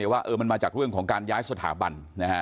ว่ามันมาจากเรื่องของการย้ายสถาบัน